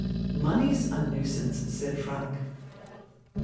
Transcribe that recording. "Money's a nuisance," said Franck.